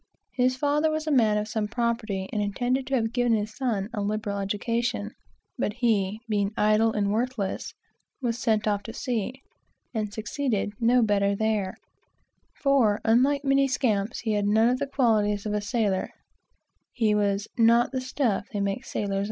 His father was a man of some property, and intended to have given his son a liberal education; but he, being idle and worthless, was sent off to sea, and succeeded no better there; for, unlike many scamps, he had none of the qualities of a sailor he was "not of the stuff that they make sailor of."